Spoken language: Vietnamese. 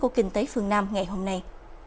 của kinh tế phương nam ngày hôm nay